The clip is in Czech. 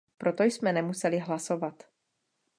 Proto jsme nemuseli hlasovat.